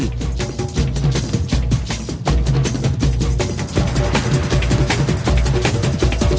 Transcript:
หลักของคันธุมกาไสเตอร์